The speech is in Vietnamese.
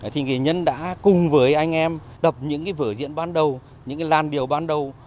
thì nghệ nhân đã cùng với anh em tập những cái vở diễn ban đầu những cái làn điều ban đầu